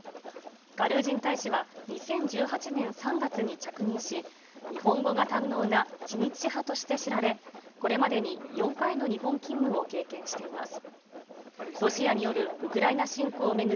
ガルージン大使は、２０１８年３月に着任し、日本語が堪能な知日派として知られ、これまでに４回の日本勤務を経験しています。